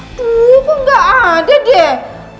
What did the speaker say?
tuh kok gak ada deh